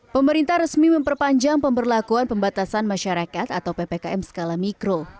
pemerintah resmi memperpanjang pemberlakuan pembatasan masyarakat atau ppkm skala mikro